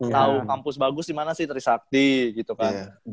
tau kampus bagus dimana sih trisakti gitu kan